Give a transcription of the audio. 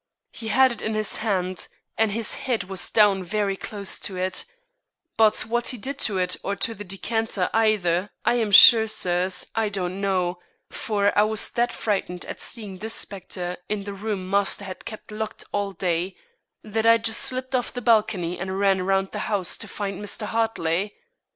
He had it in his hand, and his head was down very close to it, but what he did to it or to the decanter either, I am sure, sirs, I don't know, for I was that frightened at seeing this spectre in the room master had kept locked all day, that I just slipped off the balcony and ran round the house to find Mr. Hartley.